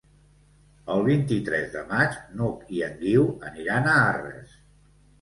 El vint-i-tres de maig n'Hug i en Guiu aniran a Arres.